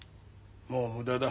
もう無駄だ。